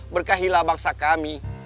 berkahilah bangsa kami